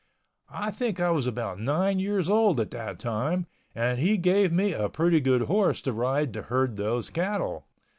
I think I was about nine years old at that time and he gave me a pretty good horse to ride to herd those cattle.